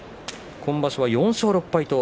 今場所は４勝６敗。